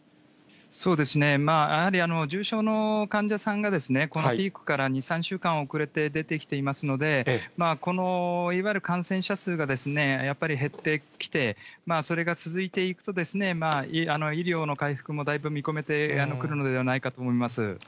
そうですね、やはり重症の患者さんがこのピークから２、３週間遅れて出てきていますので、このいわゆる感染者数がやっぱり減ってきて、それが続いていくと、医療の回復もだいぶ見込めてくるのではないかと思います。